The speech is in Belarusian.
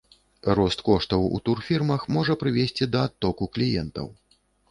Рост коштаў у турфірмах можа прывесці да адтоку кліентаў.